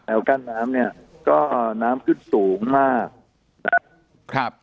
กั้นน้ำเนี้ยก็น้ำขึ้นสูงมากนะครับ